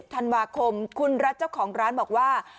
ธันวาคมคุณรัฐเจ้าของร้านบอกว่า